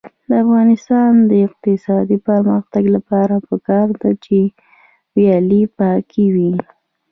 د افغانستان د اقتصادي پرمختګ لپاره پکار ده چې ویالې پاکې وي.